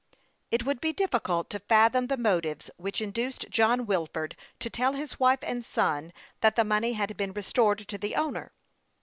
It would be difficult to fathom the motives which induced John Wilford to tell his wife and son that the money had been restored to the owner.